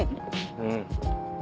うん。